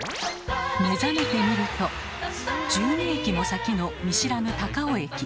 目覚めてみると１２駅も先の見知らぬ高尾駅。